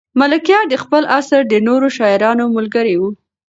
ملکیار د خپل عصر د نورو شاعرانو ملګری و.